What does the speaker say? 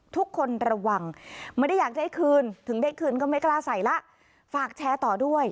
ทุกคนระวังไม่ได้อยากจะให้คืนถึงได้คืนก็ไม่กล้าใส่แล้วฝากแชร์ต่อด้วย